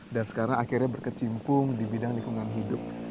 dan sekarang akhirnya berkecimpung di bidang lingkungan hidup